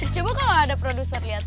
coba kalo ada produser liat